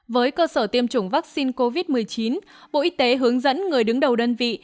với cơ sở tiêm chủng vaccine covid một mươi chín bộ y tế hướng dẫn người đứng đầu đơn vị